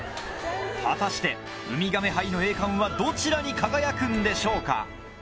果たしてうみがめ杯の栄冠はどちらに輝くんでしょうか。